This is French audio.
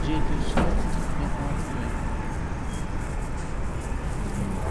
J'ai deux sœurs et un frère.